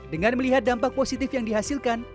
dengan melihat dampak positif yang dihasilkan